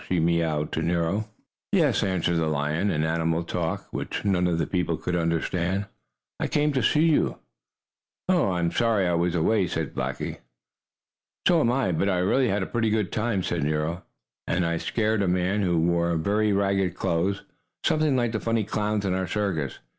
she mewed to Nero. "Yes," answered the lion, in animal talk, which none of the people could understand, "I came to see you." "I'm sorry I was away," said Blackie. "So am I. But I really had a pretty good time," said Nero. "And I scared a man who wore very ragged clothes, something like the funny clowns in our circus.